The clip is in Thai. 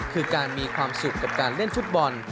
คือการมีความสุขกับการเล่นฟุตบอล